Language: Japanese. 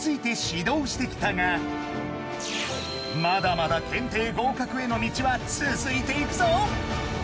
まだまだ検定合格への道は続いていくぞ！